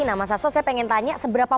nah mas astro saya ingin tanya seberapa